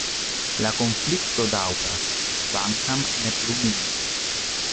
La konflikto daŭras, kvankam ne plu milite.